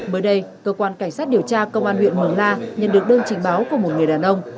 mới đây cơ quan cảnh sát điều tra công an huyện mường la nhận được đơn trình báo của một người đàn ông